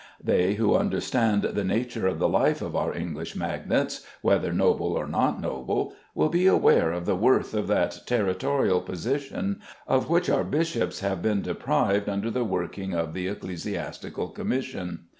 They who understand the nature of the life of our English magnates, whether noble or not noble, will be aware of the worth of that territorial position of which our bishops have been deprived under the working of the Ecclesiastical Commission.